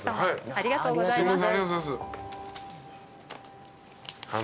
ありがとうございます。